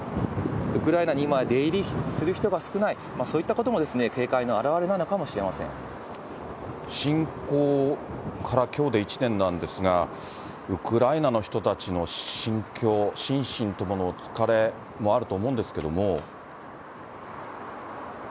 ウクライナに今、出入りする人が少ない、そういったことも警戒の表れなのかもしれ侵攻からきょうで１年なんですが、ウクライナの人たちの心境、心身等の疲れもあると思うんですけれども。